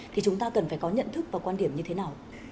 thì chúng ta cần phải có nhận thức và quan điểm như thế nào